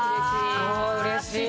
うれしい！